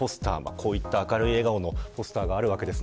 こういった明るい笑顔のポスターがあるわけです。